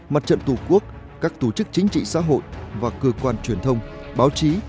mặt trận tổ quốc các tổ chức chính trị xã hội và cơ quan truyền thông báo chí